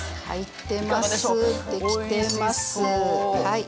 はい。